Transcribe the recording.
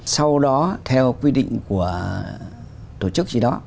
sau đó theo quy định của tổ chức gì đó